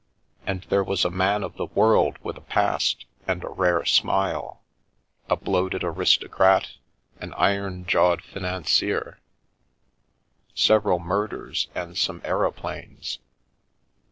And there was a man of the world with a past, and a rare smile; a bloated aristocrat, an iron 106 We Increase and Multiply jawed financier, several murders and some aeroplanes.